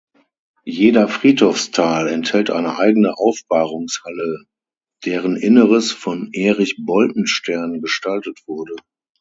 Jeder Friedhofsteil enthält eine eigene Aufbahrungshalle, deren Inneres von Erich Boltenstern gestaltet wurde.